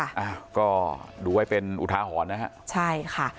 อ้าวก็ดูไว้เป็นอุทาหรณ์นะฮะใช่ค่ะ